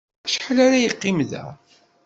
Acḥal ara yeqqim da?